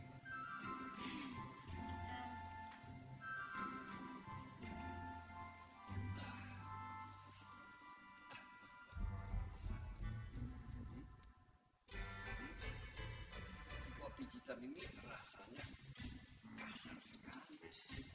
buat pijitan ini rasanya kasar sekali